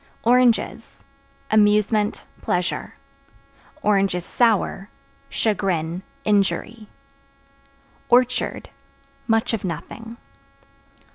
Oranges Amusement, pleasure; (sour) chagrin, injury. Orchard Much of nothing.